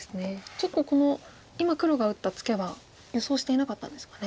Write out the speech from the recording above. ちょっとこの今黒が打ったツケは予想していなかったんですかね。